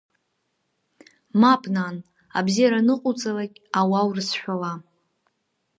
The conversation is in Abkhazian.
Мап, нан, абзиара аныҟауҵалак ауаа урыцәшәала!